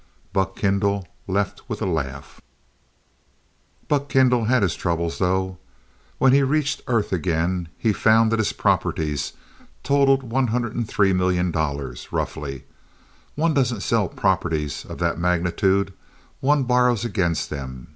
'" Buck Kendall left with a laugh. Buck Kendall had his troubles though. When he had reached Earth again, he found that his properties totaled one hundred and three million dollars, roughly. One doesn't sell properties of that magnitude, one borrows against them.